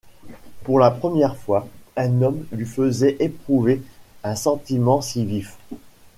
Pour la première fois, un homme lui faisait éprouver un sentiment si vif.